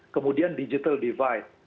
kemudian digital divide